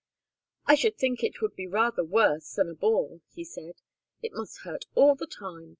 "I should think it would be rather worse than a bore," he said. "It must hurt all the time.